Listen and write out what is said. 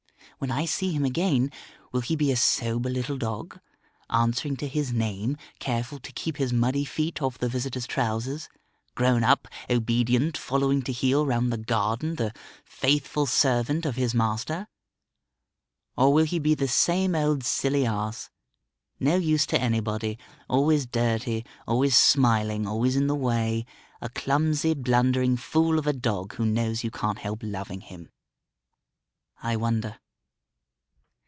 When I see him again, will he be a sober little dog, answering to his name, careful to keep his muddy feet off the visitor's trousers, grown up, obedient, following to heel round the garden, the faithful servant of his master? Or will he be the same old silly ass, no use to anybody, always dirty, always smiling, always in the way, a clumsy, blundering fool of a dog who knows you can't help loving him? I wonder....